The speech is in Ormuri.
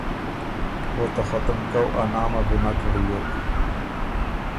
او ته ختُمکؤ ا نامه بُو نک وریوک۔